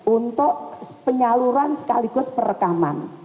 untuk penyaluran sekaligus perekaman